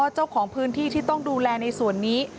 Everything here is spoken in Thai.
เจ้าของพื้นที่ที่ต้องดูแลในส่วนนี้